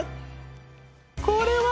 これは。